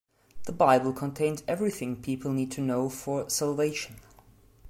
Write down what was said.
The Bible contains everything people need to know for salvation.